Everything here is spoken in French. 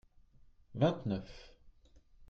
vingt neuf.